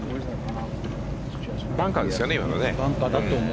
バンカーですよね、今の。